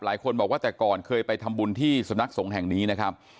หลายคนบอกว่าแต่ก่อนเคยไปทำบุญที่สำนักสงฆ์แห่งนี้นะครับ